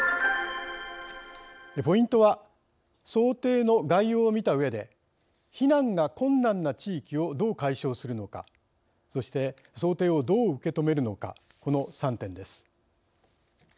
ポイントは想定の概要を見たうえで避難が困難な地域をどう解消するのかそして想定をどう受け止めるのかこの３点です。